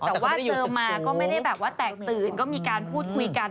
แต่ว่าเจอมาก็ไม่ได้แบบว่าแตกตื่นก็มีการพูดคุยกัน